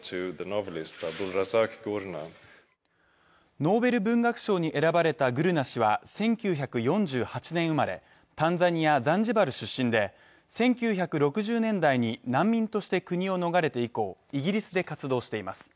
ノーベル文学賞に選ばれたグルナ氏は１９４８年生まれ、タンザニア・ザンジバル出身で１９６０年代に難民として国を逃れて以降、イギリスで活動しています。